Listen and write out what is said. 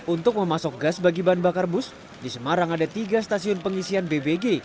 untuk memasok gas bagi bahan bakar bus di semarang ada tiga stasiun pengisian bbg